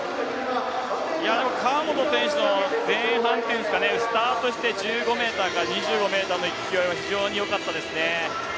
川本選手の前半スタートして１５ｍの勢いは非常によかったですね。